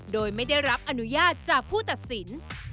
โดยไม่ได้รับอนุญาตจากผู้ตัดสิน